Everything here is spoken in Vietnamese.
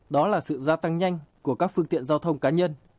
đó là sự gia tăng nhanh của các phương tiện giao thông cá nhân